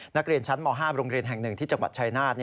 นักเรียนชั้นม๕โรงเรียนแห่ง๑ที่จังหวัดชายนาฏ